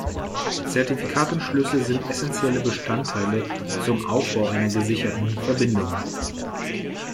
Zertifikat und Schlüssel sind essentielle Bestandteile zum Aufbau einer gesicherten Verbindung.